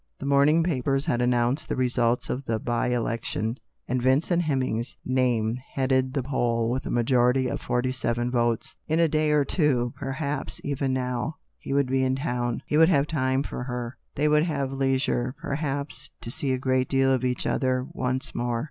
The morning papers had announced the results of the by election, and Vincent Hemming's name headed the poll with a majority of forty seven votes. In a day or two — perhaps even now — he would be in town; he would have time for her. They would have leisure, perhaps, to see a great deal of each other once more.